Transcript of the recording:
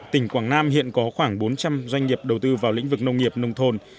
tỉnh quảng nam hiện có khoảng bốn trăm linh doanh nghiệp đầu tư vào lĩnh vực nông nghiệp nông thôn